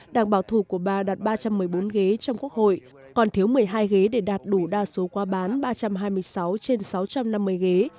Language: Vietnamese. đảng bảo thủ của ba đạt ba trăm một mươi bốn ghế trong quốc hội còn thiếu một mươi hai ghế để đạt đủ đa số quá bán ba trăm hai mươi sáu trên sáu trăm năm mươi ghế